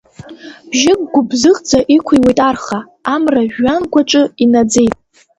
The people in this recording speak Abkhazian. Бжьык гәыбзыӷӡа иқәыҩуеит арха, Амра жәҩангәаҿы инаӡеит.